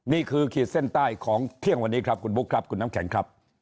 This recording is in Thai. ขีดเส้นใต้ของเที่ยงวันนี้ครับคุณบุ๊คครับคุณน้ำแข็งครับ